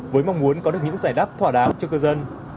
với mong muốn có được những giải đáp thỏa đáng cho cư dân